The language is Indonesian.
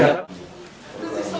jadi aja beriklan riklan